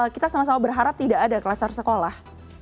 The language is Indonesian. kita sama sama berharap tidak ada kluster sekolah